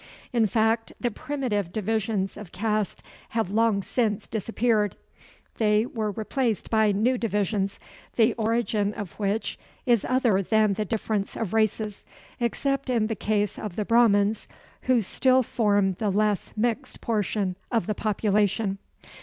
In fact, the primitive divisions of caste have long since disappeared. They were replaced by new divisions, the origin of which is other than the difference of races, except in the case of the Brahmans, who still form the less mixed portion of the population.